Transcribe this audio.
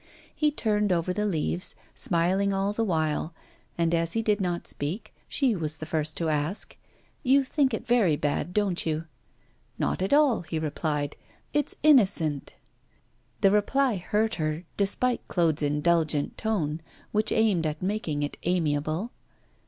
He turned over the leaves, smiling all the while, and as he did not speak, she was the first to ask: 'You think it very bad, don't you?' 'Not at all,' he replied. 'It's innocent.' The reply hurt her, despite Claude's indulgent tone, which aimed at making it amiable.